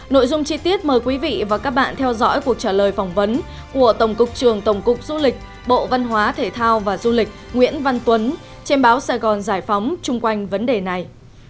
nội dung chi tiết mời quý vị và các bạn theo dõi cuộc trả lời phỏng vấn của tổng cục trường tổng cục du lịch bộ văn hóa thể thao và du lịch nguyễn văn tuấn trên báo sài gòn giải phóng chung quanh vấn đề này